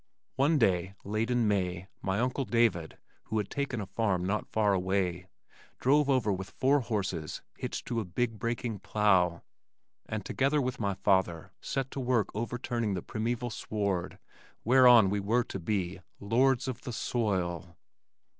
One day late in May my uncle David (who had taken a farm not far away), drove over with four horses hitched to a big breaking plow and together with my father set to work overturning the primeval sward whereon we were to be "lords of the soil."